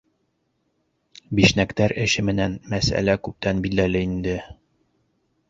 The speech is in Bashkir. — Бишнәктәр эше менән мәсьәлә күптән билдәле инде.